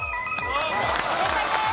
正解です！